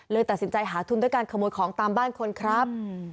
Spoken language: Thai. ตัดสินใจหาทุนด้วยการขโมยของตามบ้านคนครับ